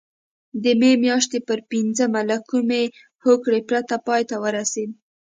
د مې میاشتې پر پینځمه له کومې هوکړې پرته پای ته ورسېده.